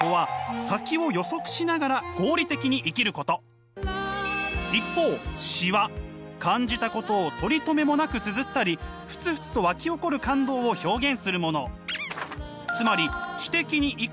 すなわち一方詩は感じたことを取りとめもなくつづったりふつふつとわき起こる感動を表現するもの。